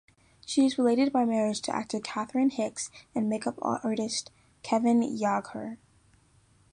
She is related by marriage to actor Catherine Hicks and make-up artist Kevin Yagher.